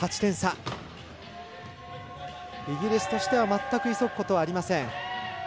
イギリスとしては全く急ぐことはありません。